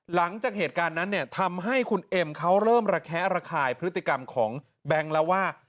หลังจากเหตุการณ์นั้นเนี่ยทำให้คุณเอ็มเขาเริ่มระแคะระคายพฤติกรรมของแบงค์แล้วว่า